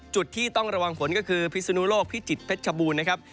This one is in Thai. จุดที่ต้องระวังฝนก็คือพิศนุโลกพิจิตรเพชรชบูรณ์นะครับ